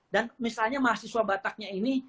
dan misalnya mahasiswa bataknya ini